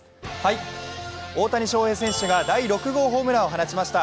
大谷翔平選手が第６号ホームランを放ちました。